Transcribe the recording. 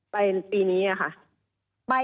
ไปปีนี้ค่ะ